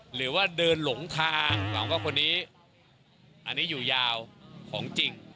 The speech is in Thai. หรือว่าเดินหลงทางเราก็คนนี้อันนี้อยู่ยาวของจริง